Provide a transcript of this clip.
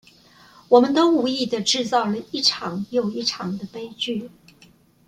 我們都無意的製造了一場又一場的悲劇